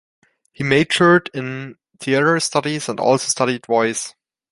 He majored in theater studies, and also studied voice.